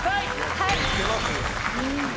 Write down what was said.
はい。